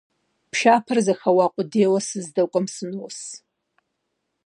Пшапэр зэхэуа къудейуэ сыздэкӀуэм сынос.